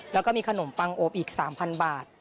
แล้วก็มีขนมปังโอบอีก๓๐๐บาท